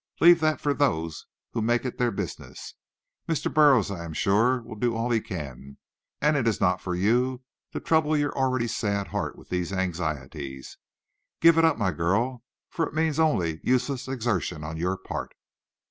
"Leave that for those who make it their business. Mr. Burroughs, I am sure, will do all he can, and it is not for you to trouble your already sad heart with these anxieties. Give it up, my girl, for it means only useless exertion on your part."